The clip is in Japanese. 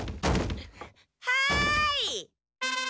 はい！